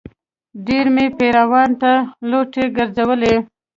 ډېر مې پیرانو ته لوټې ګرځولې.